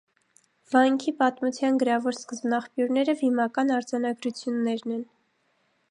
Վանքի պատմության գրավոր սկզբնաղբյուրները վիմական արձանագրություններն են։